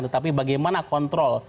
tetapi bagaimana kontrol